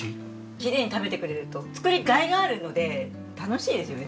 きれいに食べてくれると作りがいがあるので楽しいですよね。